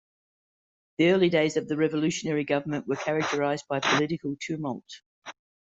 The early days of the revolutionary government were characterized by political tumult.